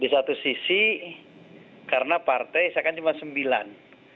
di satu sisi karena partai saya kan cuma sembilan